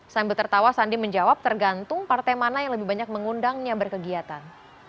sambil tertawa sandi menjawab tergantung partai mana yang lebih banyak mengundangnya berkegiatan